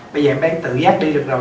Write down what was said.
bây giờ em bé tự dắt đi được rồi